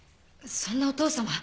そんなお父さま。